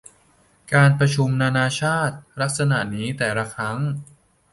การประชุมนานาชาติลักษณะนี้แต่ละครั้ง